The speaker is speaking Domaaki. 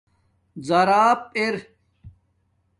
زاراب ار